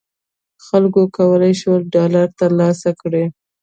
خلکو کولای شول ډالر تر لاسه کړي.